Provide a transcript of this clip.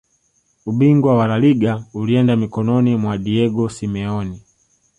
ubingwa wa laliga ulienda mikononi mwa diego simeone